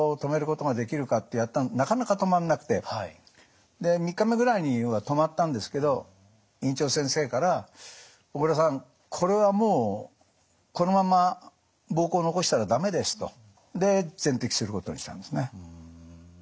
なかなか止まんなくてで３日目ぐらいには止まったんですけど院長先生から「小倉さんこれはもうこのまんま膀胱残したら駄目です」と。で全摘することにしたんですね。